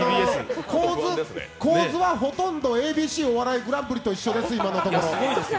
構図はほとんどＡＢＣお笑いグランプリと一緒です、ほとんど。